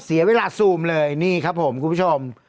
เสียเวลาซูมเลยนี่ครับผมคุณผู้ชม